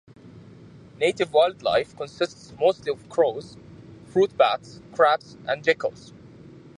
Native wildlife consists mostly of crows, fruitbats, crabs and geckos.